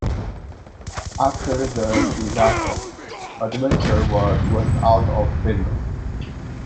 After the disaster, Adventure World went out of business.